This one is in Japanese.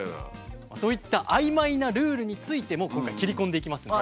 そういった曖昧なルールについても今回切り込んでいきますので。